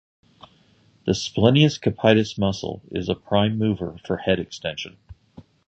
The splenius capitis muscle is a prime mover for head extension.